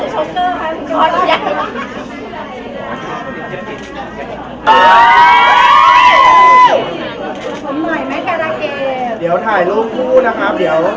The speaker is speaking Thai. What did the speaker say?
ผมหน่อยไหมการะเกดเดี๋ยวถ่ายรูปคู่นะครับเดี๋ยว